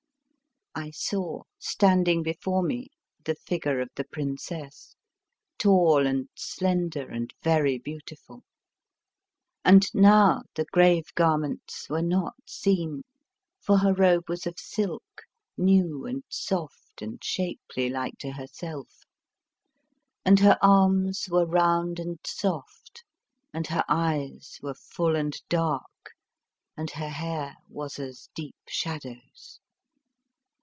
I saw standing before me the figure of the princess, tall and slender and very beautiful. And now the grave garments were not seen, for her robe was of silk, new and soft and shapely like to herself, and her arms were round and soft, and her eyes were full and dark, and her hair was as deep shadows.